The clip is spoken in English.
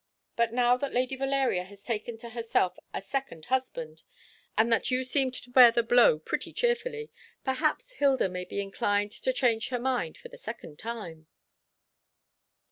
But now that Lady Valeria has taken to herself a second husband, and that you seem to bear the blow pretty cheerfully, perhaps Hilda may be inclined to change her mind for the second time."